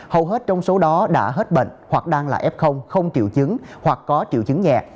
hầu hết trong số đó đã hết bệnh hoặc đang là f không triệu chứng hoặc có triệu chứng nhẹ